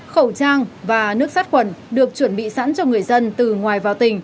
khẩu trang và nước sát khuẩn được chuẩn bị sẵn cho người dân từ ngoài vào tỉnh